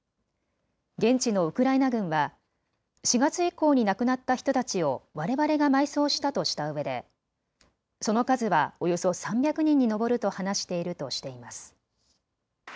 現地のウクライナ軍は４月以降に亡くなった人たちをわれわれが埋葬したとしたうえでその数はおよそ３００人に上ると話しているとしています。